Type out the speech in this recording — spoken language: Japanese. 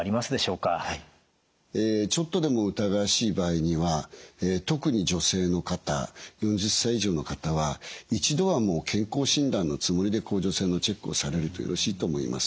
ちょっとでも疑わしい場合には特に女性の方４０歳以上の方は一度は健康診断のつもりで甲状腺のチェックをされるとよろしいと思います。